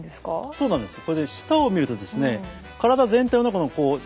そうなんですよ。